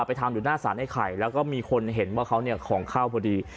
ทำอยู่หน้าสารไอ้ไข่แล้วก็มีคนเห็นว่าเขาเนี่ยของเข้าพอดี